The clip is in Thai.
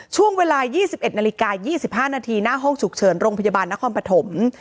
ช่วงเวลา๒๑นาฬิกา๒๕นาทีหน้าห้องฉุกเฉินโรงพยาบาลนครปฐม